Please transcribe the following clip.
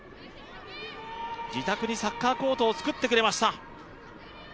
自宅にサッカーコートを作ってくれました。